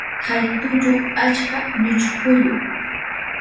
Kay tullu achka ñuchkuyu.